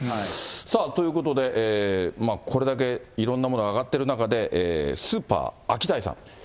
さあ、ということで、これだけいろんなもの上がってる中で、スーパーアキダイさん。